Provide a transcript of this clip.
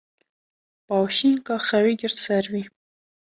Bawşînka xewê girt ser wî.